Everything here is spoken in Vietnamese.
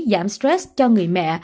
giảm stress cho người mẹ